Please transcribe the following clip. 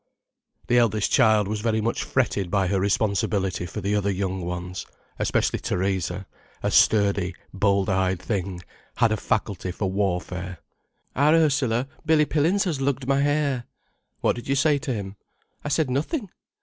The eldest child was very much fretted by her responsibility for the other young ones. Especially Theresa, a sturdy, bold eyed thing, had a faculty for warfare. "Our Ursula, Billy Pillins has lugged my hair." "What did you say to him?" "I said nothing."